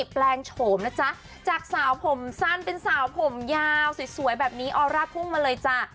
แปลงโฉมนะจ๊ะจากสาวผมสั้นเป็นสาวผมยาวสวยแบบนี้ออร่าพุ่งมาเลยจ้ะ